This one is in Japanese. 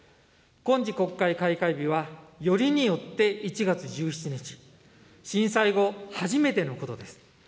今次国会開会日はよりによって１月１７日、震災後初めてのことです。